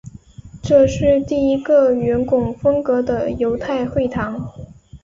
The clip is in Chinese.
这是第一个圆拱风格的犹太会堂。